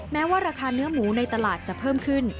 แม้ว่าราคาเนื้อหมูในตลาดจะเพิ่มขึ้น